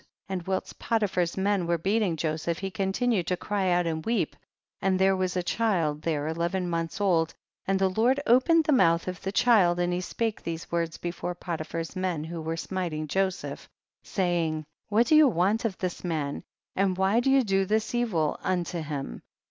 64. And whilst Potiphar's men were beating Joseph he continued to cry out and weep, and there was a child there eleven montiis old, and the Lord opened the mouth of the cliild, and he spake these words be fore Potiphar's men, who were smiting Joseph, saying, 65. Whatdoyouwant of thisman, and why do you do this evil unto him